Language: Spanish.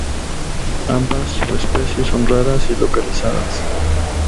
Ambas subespecies son raras y localizadas.